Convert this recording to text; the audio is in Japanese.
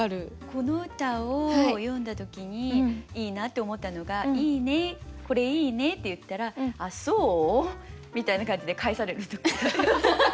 この歌を読んだ時にいいなって思ったのが「いいねこれいいね」って言ったら「あっそう？」みたいな感じで返される時。